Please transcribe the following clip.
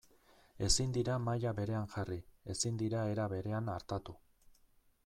Ezin dira maila berean jarri, ezin dira era berean artatu.